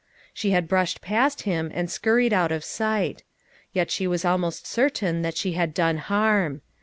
" She had brushed past him and scurried out of sight. Yet she was almost certain that she had done harm. Mr.